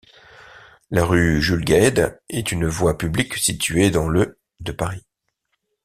La rue Jules-Guesde est une voie publique située dans le de Paris.